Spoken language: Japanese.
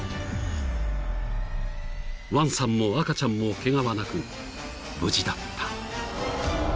［王さんも赤ちゃんもケガはなく無事だった］